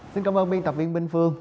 xin cảm ơn minh tập viên binh phương